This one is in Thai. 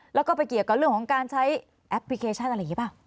แล้วก็ไปเกี่ยวกับเรื่องของการใช้แอปพลิเคชันอะไรอย่างนี้ป่ะ